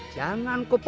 jangan kau percaya